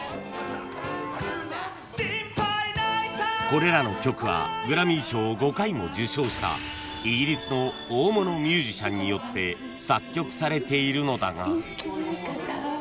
［これらの曲はグラミー賞を５回も受賞したイギリスの大物ミュージシャンによって作曲されているのだが］